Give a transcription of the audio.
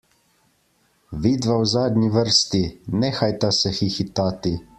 Vidva v zadnji vrsti, nehajta se hihitati!